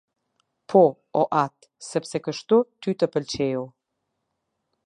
Po, o Atë, sepse kështu ty të pëlqeu.